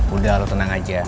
udah lo tenang aja